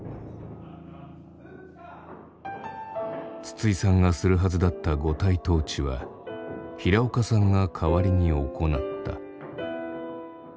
筒井さんがするはずだった五体投地は平岡さんが代わりに行った。